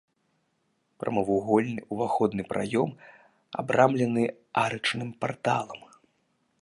Прамавугольны ўваходны праём абрамлены арачным парталам.